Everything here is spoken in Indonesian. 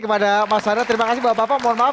kepada mas ara terima kasih bapak bapak mohon maaf